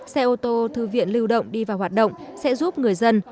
xe ô tô thư viện lưu động đi vào hoạt động sẽ giúp người dân